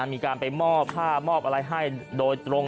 มีการไปมอบผ้ามอบอะไรให้โดยตรง